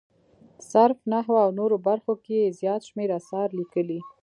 صرف، نحوه او نورو برخو کې یې زیات شمېر اثار لیکلي.